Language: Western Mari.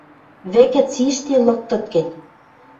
Вӹкӹ цишти лыктыт гӹнь.